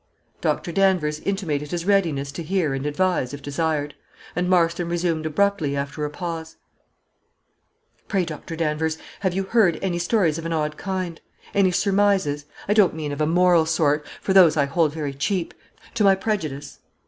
Dr. Danvers intimated his readiness to hear and advise, if desired; and Marston resumed abruptly, after a pause "Pray, Doctor Danvers, have you heard any stories of an odd kind; any surmises I don't mean of a moral sort, for those I hold very cheap to my prejudice?